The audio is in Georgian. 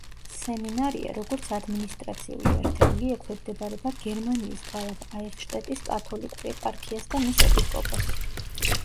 სემინარია, როგორც ადმინისტრაციული ერთეული ექვემდებარება გერმანიის ქალაქ აიხშტეტის კათოლიკურ ეპარქიას და მის ეპისკოპოსს.